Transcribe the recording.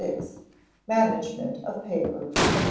Management of Paper, &c.